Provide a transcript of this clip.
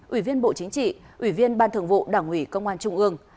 ủy viên bộ chính trị ủy viên ban thường vụ đảng ủy công an trung ương